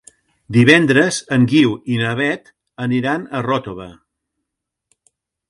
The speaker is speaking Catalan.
Divendres en Guiu i na Beth aniran a Ròtova.